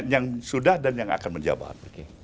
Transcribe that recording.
yang sudah dan yang akan menjabat